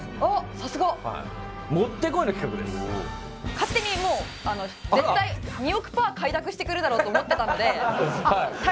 勝手にもう絶対２億パー快諾してくるだろうと思ってたので。